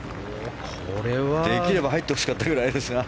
できれば入ってほしかったぐらいですが。